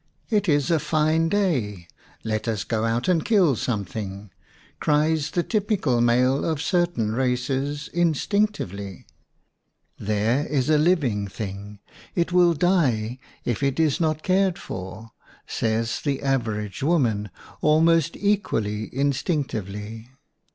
"It is a fine day, let us go out and kill something 1" cries the typical male of certain races, in stinctively; "There is a living thing, it will die if it is not cared for," says the average woman, almost equally in stinctively.